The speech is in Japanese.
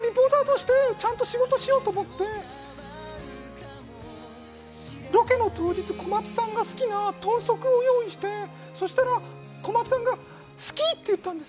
ただ、私もリポーターとしてちゃんと仕事しようと思って、ロケの当日、小松さんが好きな豚足を用意してそうしたら小松さんが「好き」って言ったんです。